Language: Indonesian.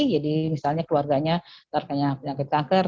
jadi misalnya keluarganya terkena penyakit kanker